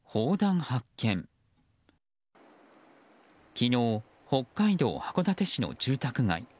昨日、北海道函館新の住宅街。